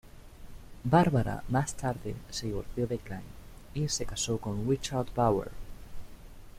Barbara más tarde se divorció de Klein y se casó con Richard Bauer.